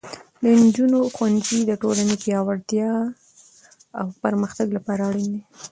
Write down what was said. د نجونو ښوونځی د ټولنې پیاوړتیا او پرمختګ لپاره اړین دی.